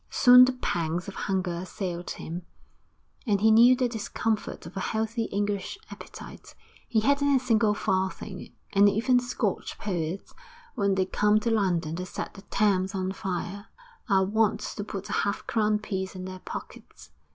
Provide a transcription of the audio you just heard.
Soon the pangs of hunger assailed him, and he knew the discomfort of a healthy English appetite. He hadn't a single farthing, and even Scotch poets, when they come to London to set the Thames on fire, are wont to put a half crown piece in their pockets.